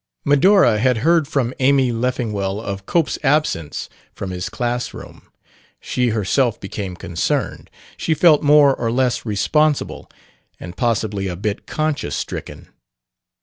Medora had heard from Amy Leffingwell of Cope's absence from his class room. She herself became concerned; she felt more or less responsible and possibly a bit conscience stricken.